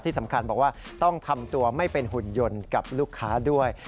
สำคัญบอกว่าต้องทำตัวไม่เป็นหุ่นยนต์กับลูกค้าด้วย